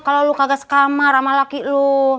kalau lo kaget sekamar sama laki lo